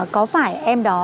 có phải em đó